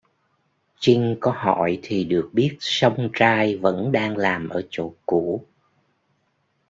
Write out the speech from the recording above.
Chinh có hỏi thì được biết song trai vẫn đang làm ở chỗ cũ